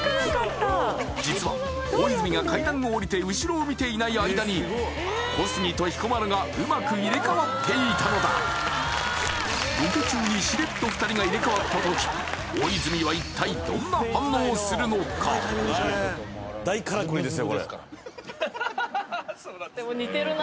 実は大泉が階段を下りて後ろを見ていない間に小杉と彦摩呂がうまく入れ替わっていたのだロケ中にしれっと２人が入れ替わった時大泉は一体どんな反応をするのかズブズブですからそうなんですね